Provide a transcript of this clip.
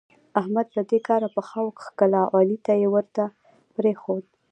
احمد له دې کاره پښه وکښه او علي يې ورته پرېښود.